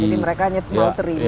jadi mereka mau terima